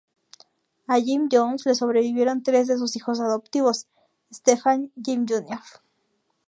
A Jim Jones le sobrevivieron tres de sus hijos adoptivos, Stephan, Jim Jr.